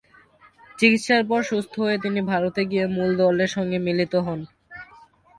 চিকিৎসার পর সুস্থ হয়ে তিনি ভারতে গিয়ে মূল দলের সঙ্গে মিলিত হন।